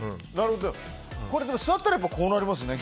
座ったらこうなりますね。